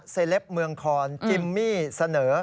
เซลปเมืองครศรีธรรมราชจิมมี่เสนอ